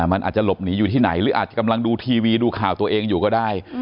มันอาจจะหลบหนีอยู่ที่ไหนหรืออาจจะกำลังดูทีวีดูข่าวตัวเองอยู่ก็ได้